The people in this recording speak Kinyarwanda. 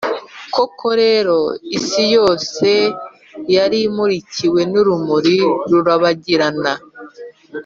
Koko rero, isi yose yari imurikiwe n’urumuri rurabagirana,